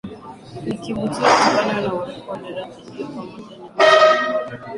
Ni kivutio kutokana na urefu wa daraja hilo pamoja na Miti ya Mikoko